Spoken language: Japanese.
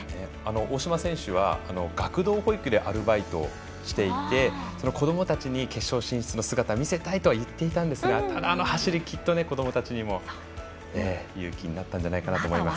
大島選手は学童保育でアルバイトしていて子どもたちに決勝進出の姿を見せたいと言っていたんですがただ、走りきると子どもたちにも勇気になったんじゃないかなと思います。